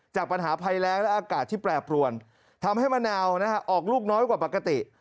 จากปัญหาภัยแรงและอากาศที่แปรปรวนทำให้มะนาวออกลูกน้อยกว่าปกติ